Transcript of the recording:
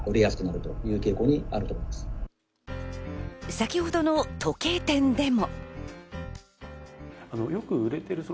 先ほどの時計店でも。